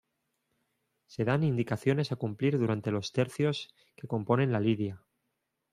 Se dan indicaciones a cumplir durante los tercios que componen la lidia.